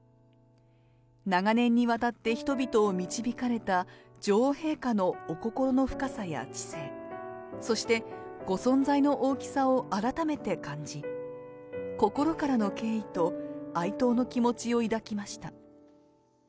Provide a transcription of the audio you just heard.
長年にわたって人々を導かれた女王陛下のお心の深さや知性、そしてご存在の大きさを改めて感じ、心からの敬意と哀悼の気持ちを抱きました。